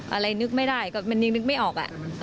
อะไรนึกไม่ได้ก็มันยังนึกไม่ออก